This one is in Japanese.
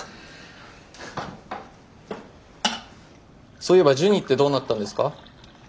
そういえばジュニってどうなったんですか？